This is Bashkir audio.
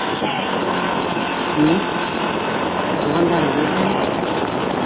Мин... туғандарымды эҙләнем.